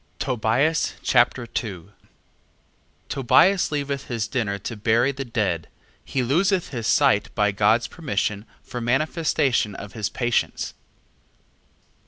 Tobias Chapter 2 Tobias leaveth his dinner to bury the dead: he loseth his sight by God's permission, for manifestation of his patience.